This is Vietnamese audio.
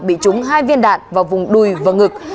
bị trúng hai viên đạn vào vùng đùi và ngực